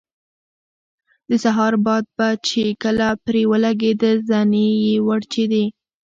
د سهار باد به چې کله پرې ولګېده زنې یې وړچېدې.